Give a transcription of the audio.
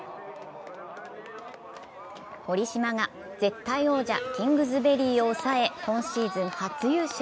堀島が絶対王者キングズベリーを抑え今シーズン初優勝。